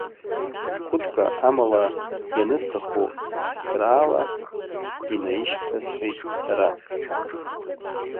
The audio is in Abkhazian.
Кәытка, амала ианысҭаху исраала, инаишьҭасҳәеит сара…